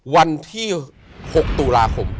วันที่๖ตุลาคม